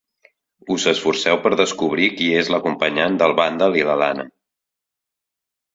Us esforceu per descobrir qui és l'acompanyant del vàndal i l'alana.